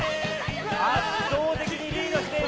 圧倒的にリードしている。